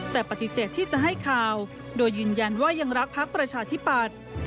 แต่ปฏิเสธที่จะให้ข่าวโดยยืนยันว่ายังรักพักประชาธิปัตย์